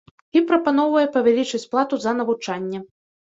І прапаноўвае павялічыць плату за навучанне.